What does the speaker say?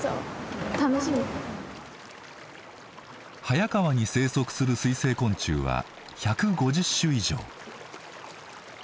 早川に生息する水生昆虫は１５０種以上。